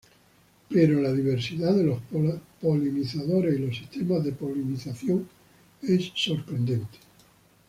Pero la diversidad de los polinizadores y los sistemas de polinización es sorprendente.